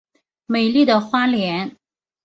美丽的花莲